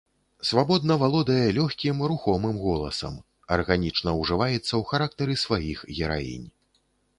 Свабодна валодае лёгкім, рухомым голасам, арганічна ужываецца ў характары сваіх гераінь.